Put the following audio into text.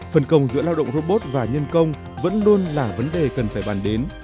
phần công giữa lao động robot và nhân công vẫn luôn là vấn đề cần phải bàn đến